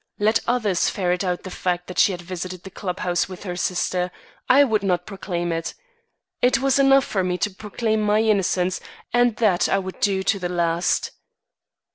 Let others ferret out the fact that she had visited the club house with her sister; I would not proclaim it. It was enough for me to proclaim my innocence, and that I would do to the last.